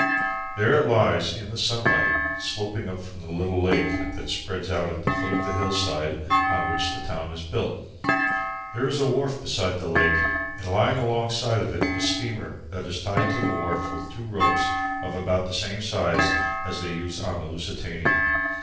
There it lies in the sunlight, sloping up from the little lake that spreads out at the foot of the hillside on which the town is built. There is a wharf beside the lake, and lying alongside of it a steamer that is tied to the wharf with two ropes of about the same size as they use on the Lusitania.